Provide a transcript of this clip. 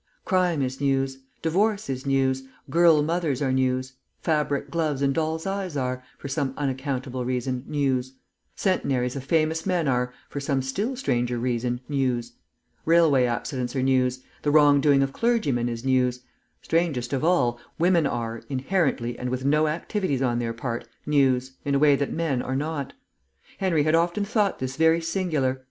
Crime is News; divorce is News; girl mothers are News; fabric gloves and dolls' eyes are, for some unaccountable reason, News; centenaries of famous men are, for some still stranger reason, News; railway accidents are News; the wrong doing of clergymen is News; strangest of all, women are, inherently and with no activities on their part, News, in a way that men are not. Henry had often thought this very singular.